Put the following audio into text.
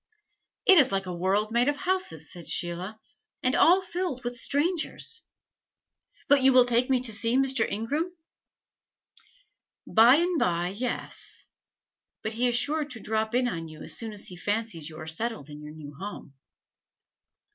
"It is like a world made of houses," said Sheila, "and all filled with strangers. But you will take me to see Mr. Ingram?" "By and by, yes. But he is sure to drop in on you as soon as he fancies you are settled in your new home."